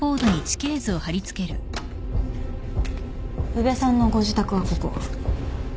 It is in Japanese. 宇部さんのご自宅はここ。